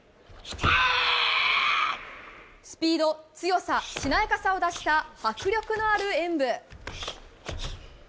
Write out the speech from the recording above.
スピード、強さしなやかさを出した迫力のある演武。